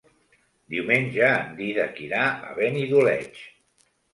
Diumenge en Dídac irà a Benidoleig.